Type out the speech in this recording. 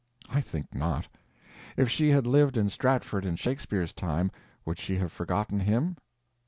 I think not. If she had lived in Stratford in Shakespeare's time, would she have forgotten him?